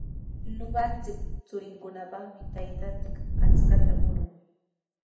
Ñuqanchik churinkunapaqmi taytanchik achkata murun.